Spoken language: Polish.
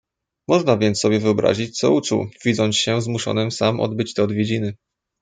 "Można więc sobie wyobrazić co uczuł, widząc się zmuszonym sam odbyć te odwiedziny."